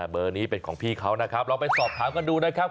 เบอร์นี้เป็นของพี่เขานะครับลองไปสอบถามกันดูนะครับ